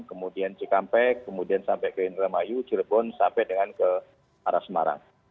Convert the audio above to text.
kemudian cikampek kemudian sampai ke indramayu cirebon sampai dengan ke arah semarang